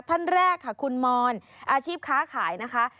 ท่านแรกค่ะคุณมอนอาชีพค้าขายนะคะ